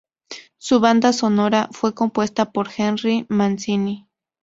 Su banda sonora fue compuesta por Henry Mancini.